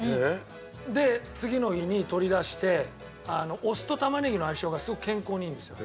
で次の日に取り出してお酢と玉ねぎの相性がすごく健康にいいんですよ。